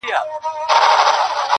کیسې پاته د امیر سوې د ظلمونو٫